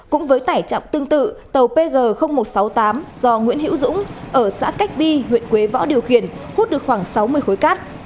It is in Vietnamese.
cũng với tải trọng tương tự tàu pg một trăm sáu mươi tám do nguyễn hữu dũng ở xã cách bi huyện quế võ điều khiển hút được khoảng sáu mươi khối cát